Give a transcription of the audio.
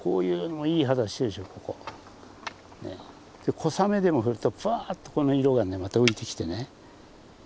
小雨でも降るとぷわっとこの色がまた浮いてきてね。